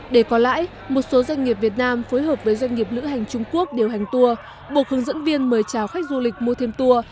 để có lãi một số doanh nghiệp việt nam phối hợp với doanh nghiệp lữ hành trung quốc điều hành tour buộc hướng dẫn viên mời chào khách du lịch mua thêm tour